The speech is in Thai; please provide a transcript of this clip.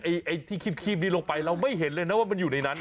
ไอ้ที่คีบนี้ลงไปเราไม่เห็นเลยนะว่ามันอยู่ในนั้น